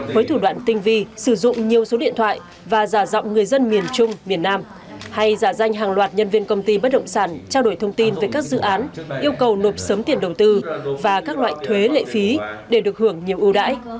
với thủ đoạn tinh vi sử dụng nhiều số điện thoại và giả dọng người dân miền trung miền nam hay giả danh hàng loạt nhân viên công ty bất động sản trao đổi thông tin về các dự án yêu cầu nộp sớm tiền đầu tư và các loại thuế lệ phí để được hưởng nhiều ưu đãi